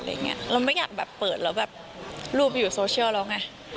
เราก็ไม่อยากเปิดแล้วสู้ไปอยู่โซเชียลแล้วไง